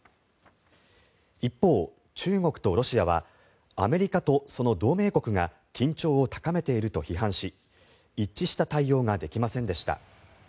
一方、中国とロシアはアメリカとその同盟国が緊張を高めていると批判し一致した対応ができませんでした。